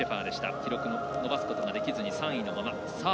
記録伸ばすことができずに３位のまま。